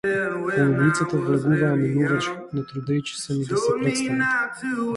Од улицата влегуваа минувачи, не трудејќи се ни да се претстават.